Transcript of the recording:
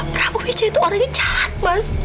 prabowo wijaya itu orang yang jahat mas